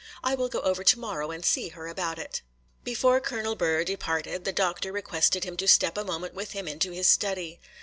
I will go over to morrow and see her about it.' Before Colonel Burr departed, the doctor requested him to step a moment with him into his study.